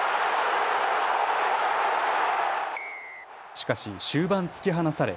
しかし終盤、突き放され